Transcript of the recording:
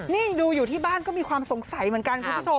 นี่ดูอยู่ที่บ้านก็มีความสงสัยเหมือนกันคุณผู้ชม